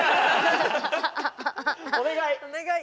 お願い。